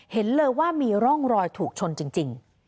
เห็นเลยว่ามีร่องรอยถูกชนจริง